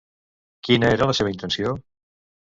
Quina era la seva intenció?